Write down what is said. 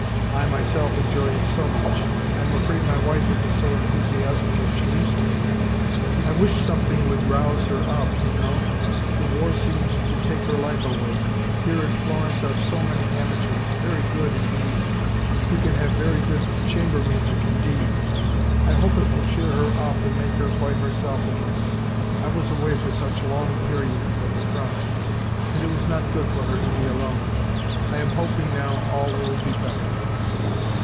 I myself enjoy it so much. I am afraid my wife isn't so enthusiastic as she used to be. I wish something would rouse her up, you know. The war seemed to take her life away. Here in Florence are so many amateurs. Very good indeed. We can have very good chamber music indeed. I hope it will cheer her up and make her quite herself again. I was away for such long periods, at the front. And it was not good for her to be alone. I am hoping now all will be better."